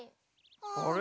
あれ？